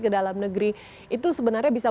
ke dalam negeri itu sebenarnya bisa